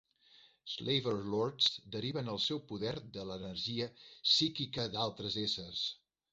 "Slaver Lords" deriven el seu poder de l'energia psíquica d'altres essers.